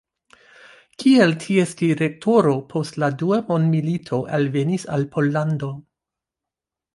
Kiel ties direktoro post la dua mondmilito alvenis al Pollando.